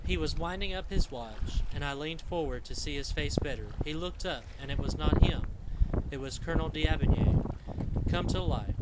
He was winding up his watch, and I leaned forward to see his face better. He looked up and it was not him: it was Colonel D'Aubigny come to life.